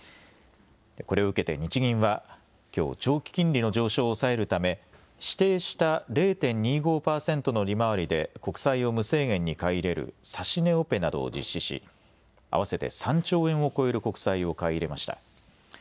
これを受けて日銀はきょう、長期金利の上昇を抑えるため指定した０．２５％の利回りで国債を無制限に買い入れる指値オペなどを実施し合わせて３兆円を超える国債を買い入れました。